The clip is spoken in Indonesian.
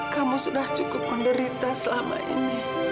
kamu sudah cukup menderita selama ini